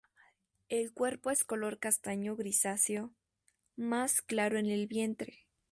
El cuerpo es color castaño grisáceo, más claro en el vientre.